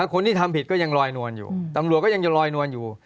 คนที่ทำผิดก็ยังลอยนวลอยู่ตำรวจก็ยังจะลอยนวลอยู่